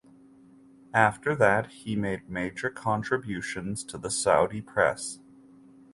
After that he made major contributions to the Saudi press.